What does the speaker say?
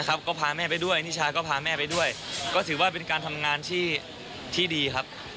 ก็พาแม่ไปด้วยนิชาก็พาแม่ไปด้วยก็ถือว่าเป็นการทำงานที่ดีครับ